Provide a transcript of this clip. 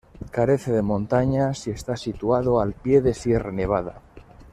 Carece de montañas y está situado al pie de Sierra Nevada.